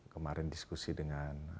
kemarin diskusi dengan